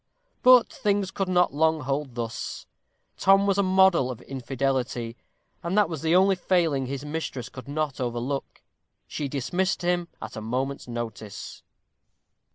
But things could not long hold thus. Tom was a model of infidelity, and that was the only failing his mistress could not overlook. She dismissed him at a moment's notice.